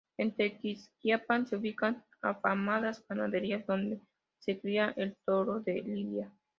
En Tequisquiapan se ubican afamadas ganaderías donde se cría el toro de lidia.